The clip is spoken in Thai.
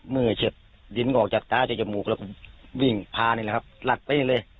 เมื่อเฉียบดินออกจากตาจากจมูกแล้วก็วิ่งพานี่แหละครับหลัดไปเลย